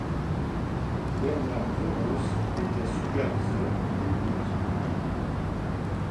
Bernard Vorhaus était superviseur technique.